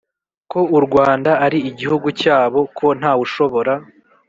ko u rwanda ari igihugu cyabo, ko ntawushobora